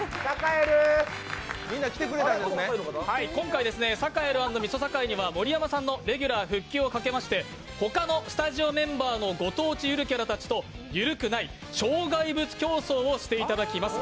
今回、サカエル＆みそさかいには盛山さんのレギュラー復帰をかけまして他のスタジオメンバーのご当地ゆるキャラたちとゆるくない障害物競争をしていただきます。